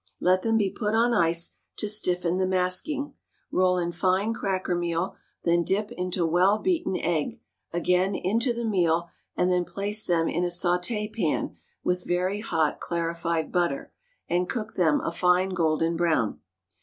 Let them be put on ice to stiffen the masking. Roll in fine cracker meal, then dip into well beaten egg, again into the meal, and then place them in a sauté pan with very hot clarified butter, and cook them a fine golden brown.